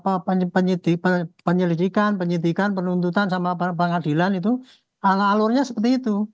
alur daripada penyelidikan penyidikan penuntutan sama pengadilan itu alurnya seperti itu